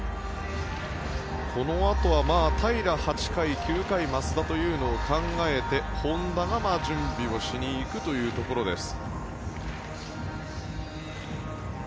このあとは平良、８回、９回増田というのを考えて本田が準備をしに行くというところです。